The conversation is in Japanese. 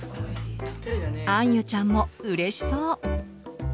あんゆちゃんもうれしそう。